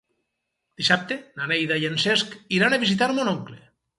Dissabte na Neida i en Cesc iran a visitar mon oncle.